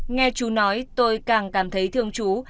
nghe chú nói tôi càng cảm thấy thương chú